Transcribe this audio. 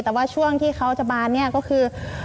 แต่ว่าช่วงที่เขาจะบานเนี่ยก็คือ